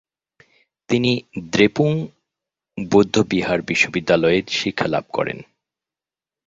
তিনি দ্রেপুং বৌদ্ধবিহার বিশ্ববিদ্যালয়ে শিক্ষালাভ করেন।